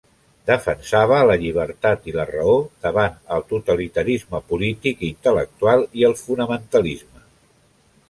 Defensava la llibertat i la raó davant el totalitarisme polític i intel·lectual i el fonamentalisme.